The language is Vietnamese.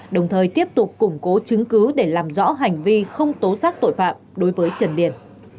đồng thời tiếp tục củng cố chứng cứ để làm rõ hành vi không tố xác tội phạm đối với trần điền